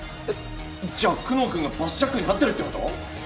えっじゃあ久能君がバスジャックに遭ってるってこと！？